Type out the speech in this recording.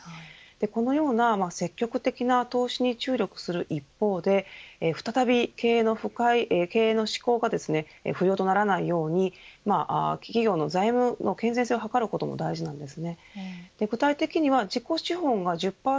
このような積極的な投資に注力する一方で再び経営の執行が不要とならないように企業の財務健全性を図ることも大事です。